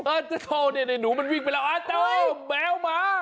อัตโธเนี่ยหนูมันวิ่งไปแล้วอัตโธแมวหมา